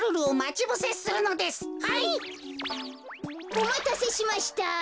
おまたせしました。